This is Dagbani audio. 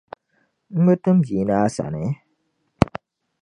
N bi tim bia na asani?